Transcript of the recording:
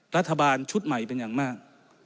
รัฐบาลชุดใหม่เป็นอย่างมาก